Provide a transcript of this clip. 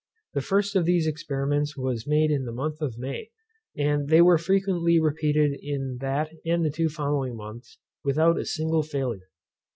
The first of these experiments was made in the month of May; and they were frequently repeated in that and the two following months, without a single failure.